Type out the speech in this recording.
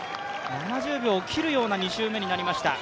７０秒を切るような２周目になりました。